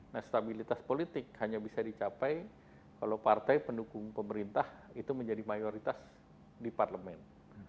nah stabilitas politik hanya bisa dicapai kalau partai pendukung pemerintah itu menjadi mayoritas di parlemen